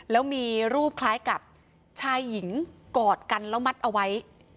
แล้วมีรูปคล้ายกับชายหญิงกอดกันแล้วมัดเอาไว้